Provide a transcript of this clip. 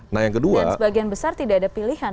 nah yang kedua dan sebagian besar tidak ada pilihan